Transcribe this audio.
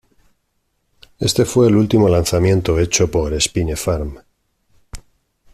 Este fue el último lanzamiento hecho por Spinefarm.